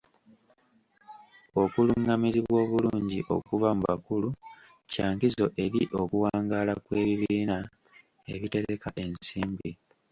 Okulungamizibwa obulungi okuva mu bakulu kya nkizo eri okuwangaala kw'ebibiina ebitereka ensimbi.